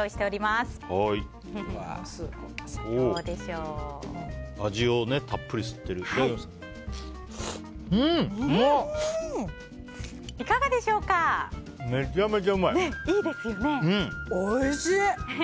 おいしい！